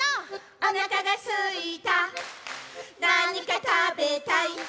「おなかがすいたなにかたべたい」